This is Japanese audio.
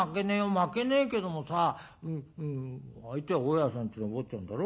負けねえけどもさ相手は大家さんちの坊ちゃんだろ。